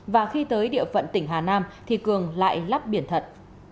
và khi tới địa phận tỉnh hà nam thì cường lại lắp biển thật